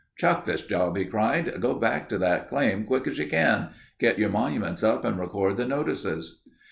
"Chuck this job," he cried. "Go back to that claim quick as you can. Get your monuments up and record the notices."